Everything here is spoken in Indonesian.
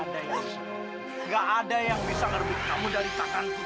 gak ada yang bisa ngerti kamu dari takutnya